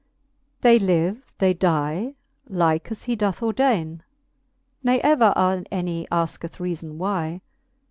XLI. They live, they die, like as he doth ordaine, Ne ever any asketh reafon why.